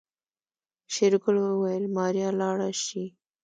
شېرګل وويل ماريا لاړه شي.